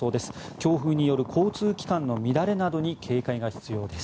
強風による交通機関の乱れに警戒が必要です。